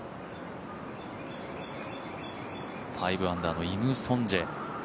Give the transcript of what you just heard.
５アンダーのイム・ソンジェ。